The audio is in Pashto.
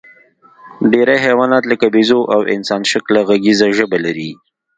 ډېری حیوانات، لکه بیزو او انسانشکله غږیزه ژبه لري.